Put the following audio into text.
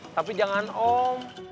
tapi jangan om